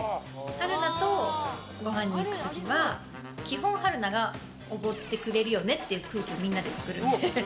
春菜とごはんに行く時は基本、春菜がおごってくれるよねって空気をみんなで作るみたいな。